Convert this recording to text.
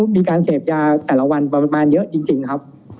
มีการเสพยาแต่ละวันประมาณเยอะจริงครับ